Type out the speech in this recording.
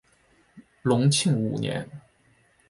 隆庆五年。